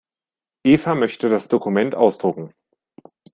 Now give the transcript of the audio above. Eva möchte das Dokument ausdrucken.